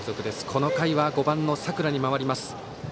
この回は５番の佐倉に回ります。